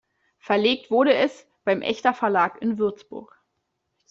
Verlegt wurde es beim Echter-Verlag in Würzburg.